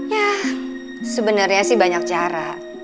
ya sebenarnya sih banyak cara